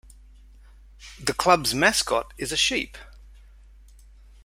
The club's mascot is a sheep.